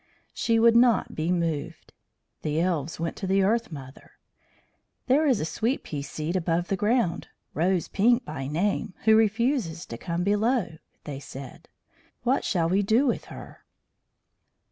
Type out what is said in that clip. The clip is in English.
She would not be moved. The elves went to the Earth mother. "There is a sweet pea seed above the ground, Rose Pink by name, who refuses to come below," they said. "What shall we do with her?"